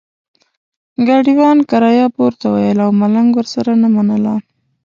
ګاډیوان کرایه پورته ویله او ملنګ ورسره نه منله.